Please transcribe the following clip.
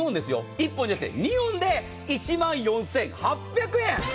１本じゃなくて２本で１万４８００円！